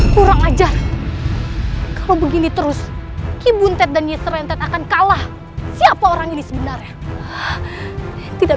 kurang ajar kalau begini terus kibun dan nyeser ntet akan kalah siapa orang ini sebenarnya tidak